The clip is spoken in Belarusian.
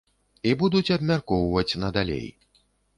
І будуць абмяркоўваць надалей.